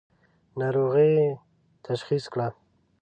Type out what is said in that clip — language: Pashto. ناروغۍ یې تشخیص کړه.